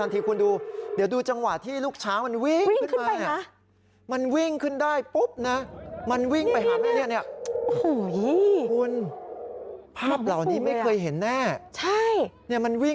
สุดท้ายปฏิบัติการ